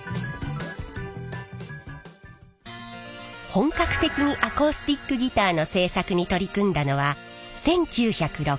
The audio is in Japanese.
本格的にアコースティックギターの製作に取り組んだのは１９６６年。